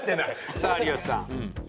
さあ有吉さん。